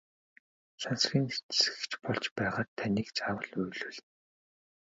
Сансрын нисэгч болж байгаад таныг заавал уйлуулна!